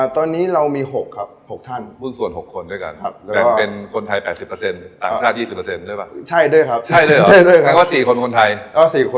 ตอนนี้เรามีหกครับหกท่านผู้ส่วนหกคนด้วยกันครับแล้วก็